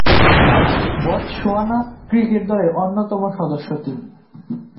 Botswana cricket দলের অন্যতম সদস্য তিনি।